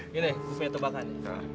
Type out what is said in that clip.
ini buah buah tebakan